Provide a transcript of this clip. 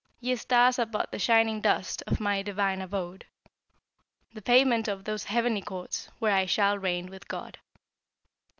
Ye stars are but the shining dust Of my divine abode, The pavement of those heavenly courts Where I shall reign with God.